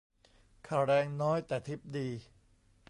ค่าแรงน้อย แต่ทิปดี